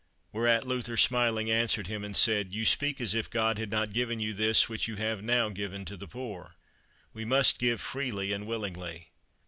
Whereat Luther, smiling, answered him and said, "You speak as if God had not given you this which you have now given to the poor. We must give freely and willingly."